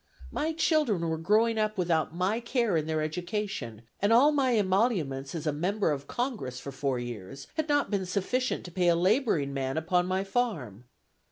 "My children were growing up without my care in their education, and all my emoluments as a member of Congress for four years had not been sufficient to pay a laboring man upon my farm.